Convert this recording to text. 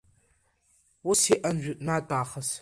Ус иҟан жәытәнатә аахыс.